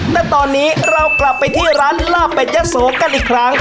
แต่ตอนนี้เรากลับไปที่ร้านลาบเป็ดยะโสกันอีกครั้ง